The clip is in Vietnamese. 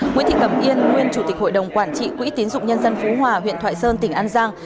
nguyễn thị cẩm yên nguyên chủ tịch hội đồng quản trị quỹ tiến dụng nhân dân phú hòa huyện thoại sơn tỉnh an giang